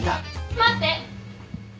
待って！